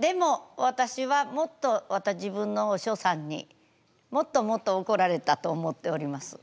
でも私はもっとまた自分のお師匠さんにもっともっと怒られたと思っております。